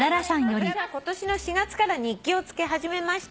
「私は今年の４月から日記をつけ始めました」